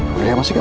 boleh ya mas ika